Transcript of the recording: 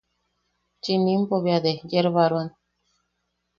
Chinimpo bea desyerbaroan.